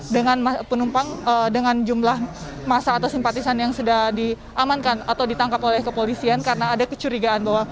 dengan penumpang dengan jumlah masa atau simpatisan yang sudah diamankan atau ditangkap oleh kepolisian karena ada kecurigaan bahwa